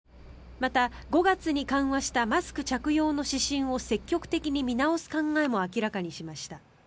また、５月に緩和したマスク着用の指針を積極的に見直す考えも明らかにしました。